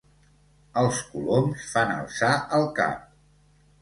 Els coloms fan alçar el cap.